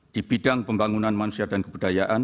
di bidang pembangunan manusia dan kebudayaan